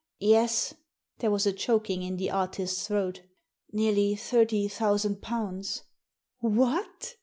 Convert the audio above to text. " Yes, There was a choking m the artist's throat " Nearly thirty thousand pounds." "What!"